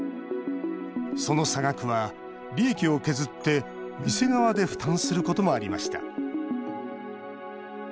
その差額は利益を削って店側で負担することもありました。